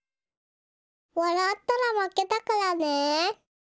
わらったらまけだからね。